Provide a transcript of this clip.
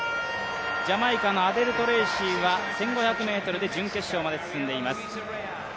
ジャマイカのアデル・トレーシーは１５００ｍで準決勝まで進んでいます。